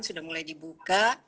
sudah mulai dibuka